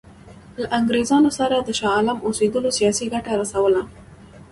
له انګرېزانو سره د شاه عالم اوسېدلو سیاسي ګټه رسوله.